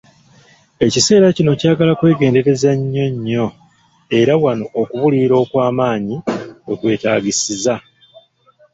Ekiseera kino kyagala kwegendereza nnyo, nnyo, era wano okubuulirirwa okwamaanyi wekwetaagisiza.